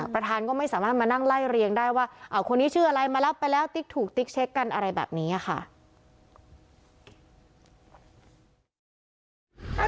ประธานก็ไม่สามารถมานั่งไล่เรียงได้ว่าคนนี้ชื่ออะไรมารับไปแล้วติ๊กถูกติ๊กเช็คกันอะไรแบบนี้ค่ะ